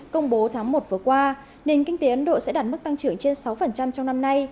công bố tháng một vừa qua nền kinh tế ấn độ sẽ đạt mức tăng trưởng trên sáu trong năm nay